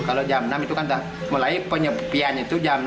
kalau jam enam itu kan mulai penyepian itu jam lima